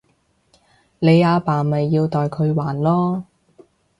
你阿爸咪要代佢還囉